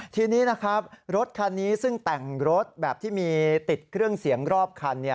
ทีนี้นะครับรถคันนี้ซึ่งแต่งรถแบบที่มีติดเครื่องเสียงรอบคัน